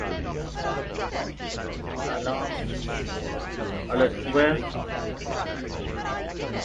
We have seen that trees are sometimes married to each other.